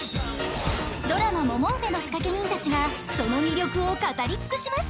ドラマ『モモウメ』の仕掛け人たちがその魅力を語り尽くします！